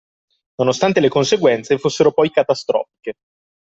Nonostante le conseguenze fossero poi catastrofiche.